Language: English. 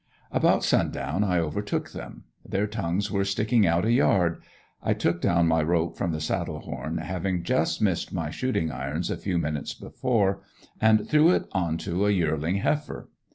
About sundown I overtook them. Their tongues were sticking out a yard. I took down my rope from the saddle horn, having just missed my shooting irons a few minutes before, and threw it onto a yearling heifer.